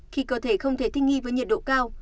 khi cơ thể không thể thích nghi với nhiệt độ cao